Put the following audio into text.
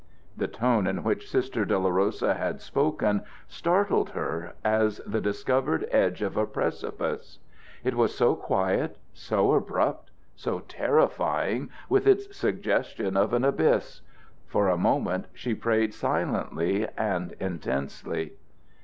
The tone in which Sister Dolorosa had spoken startled her as the discovered edge of a precipice. It was so quiet, so abrupt, so terrifying with its suggestion of an abyss. For a moment she prayed silently and intensely.